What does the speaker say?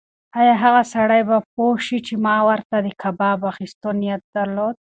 ایا هغه سړی به پوه شي چې ما ورته د کباب اخیستو نیت درلود؟